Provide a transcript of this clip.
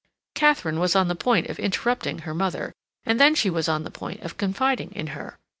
Katharine was on the point of interrupting her mother, and then she was on the point of confiding in her.